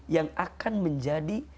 yang akan menjadi